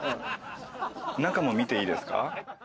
中も見ていいですか。